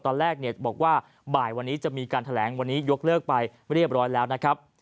ตอนแรกเนี่ยบอกว่าบ่ายวันนี้จะมีการแถลงวันนี้ยกเลิกไปเรียบร้อยแล้วนะครับ